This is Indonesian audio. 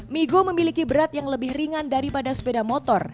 migo memiliki berat yang lebih ringan daripada sepeda motor